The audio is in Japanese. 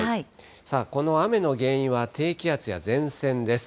さあ、この雨の原因は低気圧や前線です。